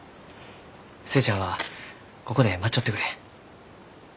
寿恵ちゃんはここで待っちょってくれ。